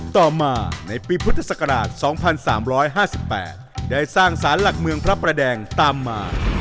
ต่อมาในปีพุทธศักราช๒๓๕๘ได้สร้างสารหลักเมืองพระประแดงตามมา